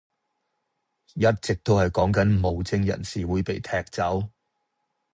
一直都係講緊無證人士會被踢走